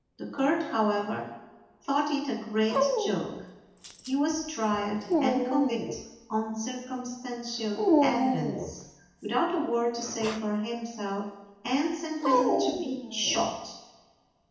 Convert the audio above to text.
The court, however, thought it a great joke. He was tried and convicted on circumstantial evidence, without a word to say for himself, and sentenced to be shot.